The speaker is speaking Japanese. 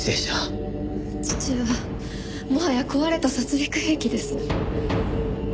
父はもはや壊れた殺戮兵器です。